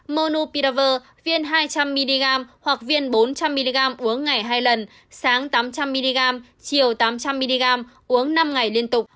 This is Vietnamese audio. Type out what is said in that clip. monu pidaver viên hai trăm linh mg hoặc viên bốn trăm linh mg uống ngày hai lần sáng tám trăm linh mg chiều tám trăm linh mg uống năm ngày liên tục